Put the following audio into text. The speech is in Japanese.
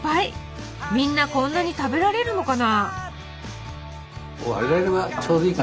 みんなこんなに食べられるのかな？